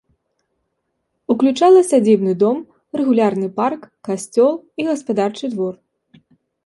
Уключала сядзібны дом, рэгулярны парк, касцёл і гаспадарчы двор.